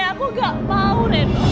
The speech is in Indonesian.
aku gak mau reno